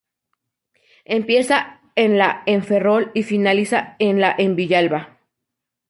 Empieza en la en Ferrol y finaliza en la en Villalba.